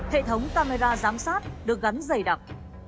hệ thống camera giám sát được gắn dày đặc